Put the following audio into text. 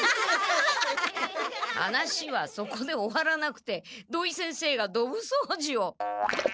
話はそこで終わらなくて土井先生がどぶ掃除を。